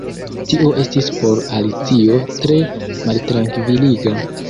Tio estis por Alicio tre maltrankviliga.